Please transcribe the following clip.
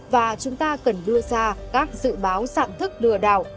và chúng ta cần đưa ra các dự báo sản thức lừa đảo